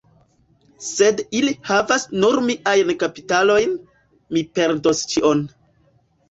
Sed ili havas nur miajn kapitalojn, mi perdos ĉion.